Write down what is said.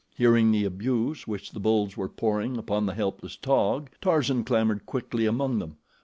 Hearing the abuse which the bulls were pouring upon the helpless Taug, Tarzan clambered quickly among them.